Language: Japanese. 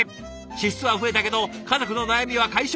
「支出は増えたけど家族の悩みは解消。